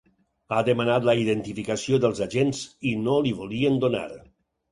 Ha demanat la identificació dels agents i no li volien donar.